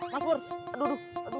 mas pur aduh aduh